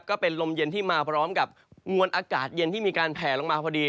ก็เป็นลมเย็นที่มาพร้อมกับมวลอากาศเย็นที่มีการแผลลงมาพอดี